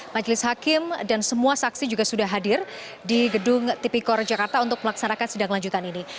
majelis hakim dan semua saksi juga sudah hadir di gedung tipikor jakarta untuk melaksanakan sidang lanjutan ini